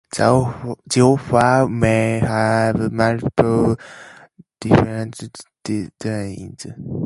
The otter may have multiple different designs.